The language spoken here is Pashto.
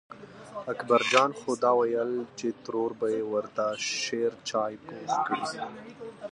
اکبر جان خو دا وېل چې ترور به یې ورته شېرچای پوخ کړي.